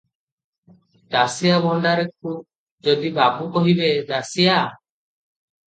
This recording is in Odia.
ଦାସିଆ ଭଣ୍ଡାରିକୁ ଯଦି ବାବୁ କହିବେ, 'ଦାସିଆ!